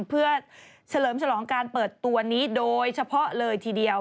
เพื่อเฉลิมฉลองการเปิดตัวนี้โดยเฉพาะเลยทีเดียว